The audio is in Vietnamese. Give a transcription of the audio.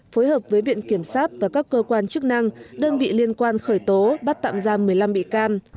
phối hợp với viện kiểm sát và các cơ quan chức năng đơn vị liên quan khởi tố bắt tạm giam một mươi năm bị can